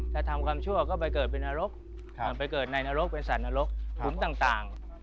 ถ้าทำความชั่วก็ไปเกิดเป็นนรกมันไปเกิดในนรกเป็นสัตว์นรกขุมต่าง